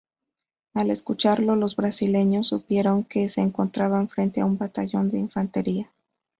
Al escucharlo, los brasileros supusieron que se encontraban frente a un batallón de infantería.